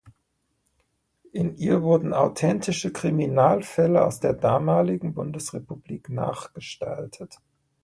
In ihr wurden authentische Kriminalfälle aus der damaligen Bundesrepublik nachgestaltet.